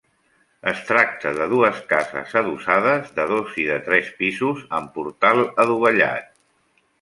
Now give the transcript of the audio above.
Es tracta de dues cases adossades, de dos i de tres pisos, amb portal adovellat.